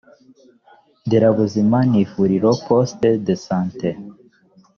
nderabuzima n ivuriro poste de sant